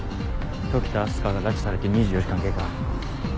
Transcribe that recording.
時田明日香が拉致されて２４時間経過。